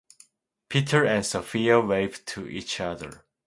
Peter and Sofia wave to each other.